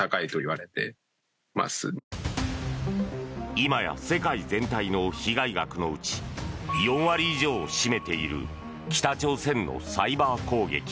今や世界全体の被害額のうち４割以上を占めている北朝鮮のサイバー攻撃。